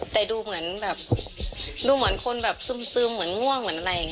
แต่ดูเหมือนคนซึมซึมเหมือนง่วง